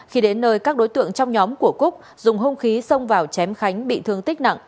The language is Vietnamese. khi đến nơi các đối tượng trong nhóm của cúc dùng hung khí xông vào chém khánh bị thương tích nặng